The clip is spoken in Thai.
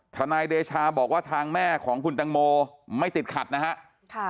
นายเดชาบอกว่าทางแม่ของคุณตังโมไม่ติดขัดนะฮะ